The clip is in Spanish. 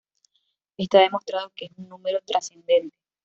Está demostrado que es un número trascendente.